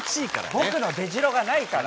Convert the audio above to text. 僕の出じろがないから。